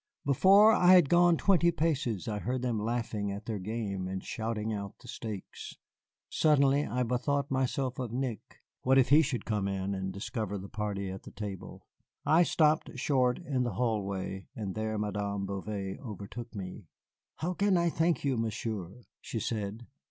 Before I had gone twenty paces I heard them laughing at their game and shouting out the stakes. Suddenly I bethought myself of Nick. What if he should come in and discover the party at the table? I stopped short in the hallway, and there Madame Bouvet overtook me. "How can I thank you, Monsieur?" she said.